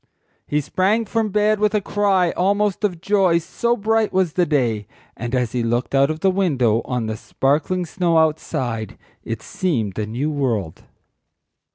He sprang from bed with a cry almost of joy so bright was the day; and as he looked out of the window on the sparkling snow outside it seemed a new world.